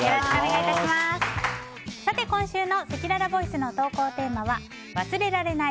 今週のせきららボイスの投稿テーマは忘れられない